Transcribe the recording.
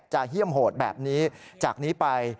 เฮี่ยมโหดแบบนี้จากนี้ไป